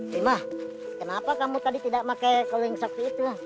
rima kenapa kamu tadi tidak pakai kling saku itu